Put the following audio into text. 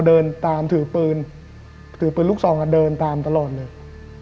เดินตามถือปืนถือปืนลูกซองกันเดินตามตลอดเลย